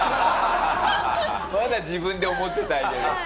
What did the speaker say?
まだ自分で思っていたい。